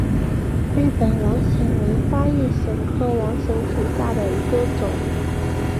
日本网藓为花叶藓科网藓属下的一个种。